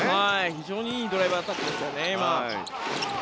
非常にいいドライブアタックでしたね。